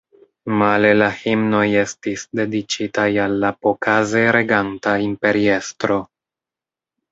Male la himnoj estis dediĉitaj al la pokaze reganta imperiestro.